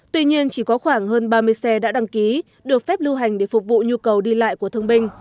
tuy nhiên chỉ có khoảng hơn ba mươi xe đã đăng ký được phép lưu hành để phục vụ nhu cầu đi lại của thương binh